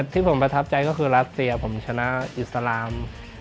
ที่ผมประทับใจก็คือรัสเซียผมชนะอิสลาม